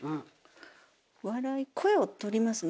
笑い「声」を取りますね。